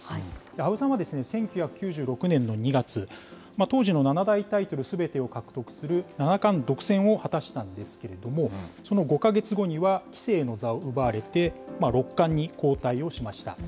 羽生さんは１９９６年の２月、当時の七大タイトルすべてを獲得する、七冠独占を果たしたんですけれども、その５か月後には棋聖の座を奪われて六冠に後退をしました。